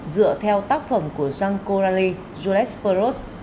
dựa theo tác phẩm của jean coralie jules perrault